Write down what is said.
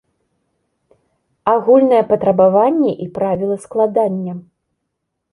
Агульныя патрабаванні і правілы складання.